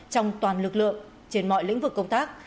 trong toàn lực lượng trên mọi lĩnh vực công tác